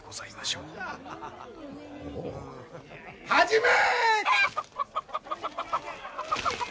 始め！